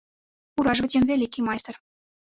Уражваць ён вялікі майстар.